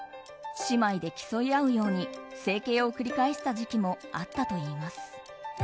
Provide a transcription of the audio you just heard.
姉妹で競い合うように整形を繰り返した時期もあったといいます。